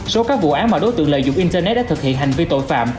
số các vụ án mà đối tượng lợi dụng internet đã thực hiện hành vi tội phạm